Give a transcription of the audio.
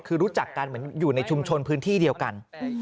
คือรู้จักกันเหมือนอยู่ในชุมชนพื้นที่เดียวกัน